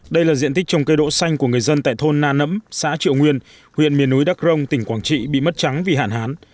đây là diện tích trồng cây đỗ xanh của người dân tại thôn na nấm xã triệu nguyên huyện miền núi đắc rông tỉnh quảng trị bị mất trắng vì hạn hán